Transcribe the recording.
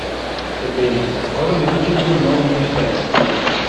Ebbene, cosa ne dici tu del nuovo Ministero?